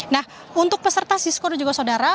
nah untuk peserta sisko dan juga saudara